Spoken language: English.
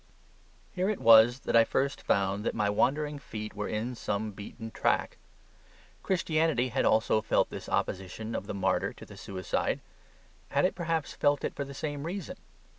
Here it was that I first found that my wandering feet were in some beaten track. Christianity had also felt this opposition of the martyr to the suicide: had it perhaps felt it for the same reason?